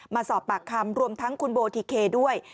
มาสอบปากคำรวมทั้งคุณโบทิเคด้วย